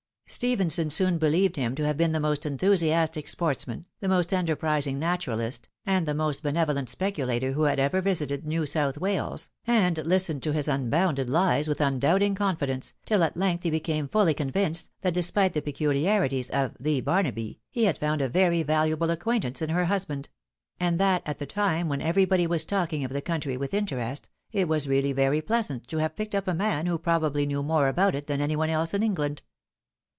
Stephenson soon believed him to have been the most enthusiastic sportsman, the most enterprising naturalist, and the most benevolent speculator who had ever visited New South Wales, and listened to his unbounded has with undoubting con fidence, till at length he became fully convinced, that despite the peculiarities of " the Barnaby," he had found a very valuable acquaintance in her husband ; and that at the time when everybody was talking of the country with interest, it was really very pleasant to have picked up a man who probably knew more ahout it than any one else in England.